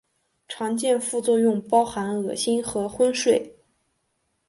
常见副作用包含恶心和昏睡。